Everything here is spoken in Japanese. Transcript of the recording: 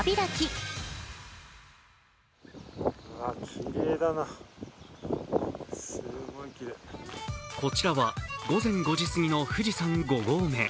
きれいだな、すごいきれいこちらは午前５時すぎの富士山五合目。